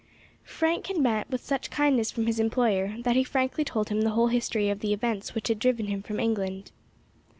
Frank had met with such kindness from his employer, that he frankly told him the whole history of the events which had driven him from England.